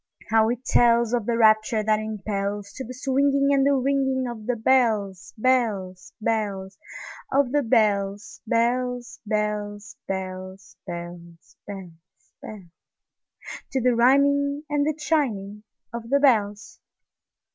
how it tellsOf the rapture that impelsTo the swinging and the ringingOf the bells, bells, bells, Of the bells, bells, bells, bells, Bells, bells, bells—To the rhyming and the chiming of the bells!